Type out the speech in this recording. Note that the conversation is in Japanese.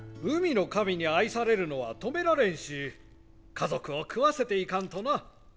海の神に愛されるのは止められんし家族を食わせていかんとな。